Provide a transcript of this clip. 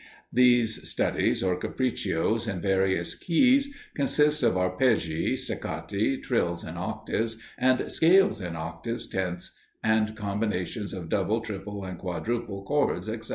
These studies or capriccios, in various keys, consist of arpeggi, staccati, trills in octaves, and scales in octaves, tenths, combinations of double, triple, and quadruple chords, etc.